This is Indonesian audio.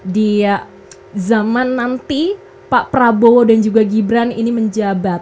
di zaman nanti pak prabowo dan juga gibran ini menjabat